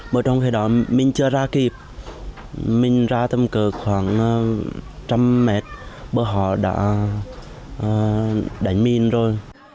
bọn trong khi đó mình chưa ra kịp mình ra tâm cờ khoảng trăm mét bọn họ đã đánh mình rồi